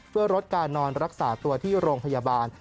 เพื่อลดการนอนรักษาตัวที่โรงพยาบาล